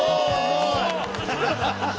ハハハハ！